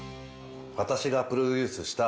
私がプロデュースした。